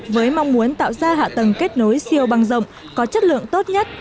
với mong muốn tạo ra hạ tầng kết nối siêu băng rộng có chất lượng tốt nhất